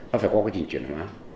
nó phải qua quá trình chuyển hóa